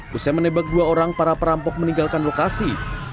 pusat menembak dua orang para perampok meninggalkan lokasi